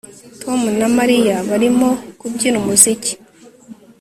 Tom na Mariya barimo kubyina umuziki